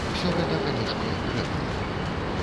Усё гэта, канешне, дрэнна.